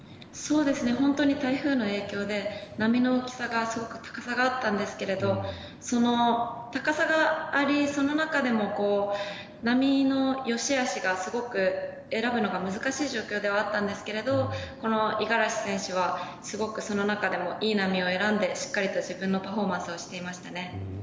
台風の影響で波の大きさがすごく高さがあったんですけど高さがありその中でも波のよしあしがすごく選ぶのが難しい状況ではあったんですけど五十嵐選手はすごくその中でもいい波を選んでしっかりと自分のパフォーマンスをしていましたね。